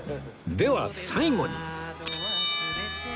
では最後に